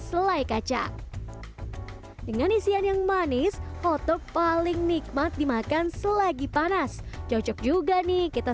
selai kacang dengan isian yang manis hottog paling nikmat dimakan selagi panas cocok juga nih kita